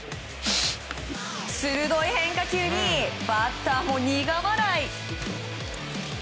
鋭い変化球にバッターも苦笑い。